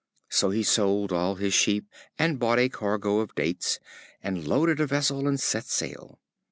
So he sold all his sheep and bought a cargo of Dates, and loaded a vessel, and set sail.